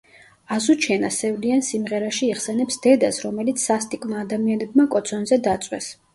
აზუჩენა სევდიან სიმღერაში იხსენებს დედას, რომელიც სასტიკმა ადამიანებმა კოცონზე დაწვეს.